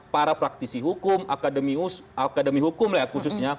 para praktisi hukum akademi hukum lah khususnya